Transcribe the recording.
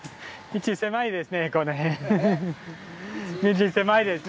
道狭いですね